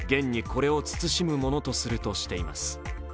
これを慎むものとするとしています。